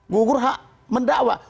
gugur hak mendakwa